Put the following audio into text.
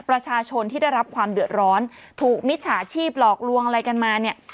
ประชาชนที่ได้รับความเดือดร้อนถูกมิจฉาชีพหลอกลวงอะไรกันมาเนี่ย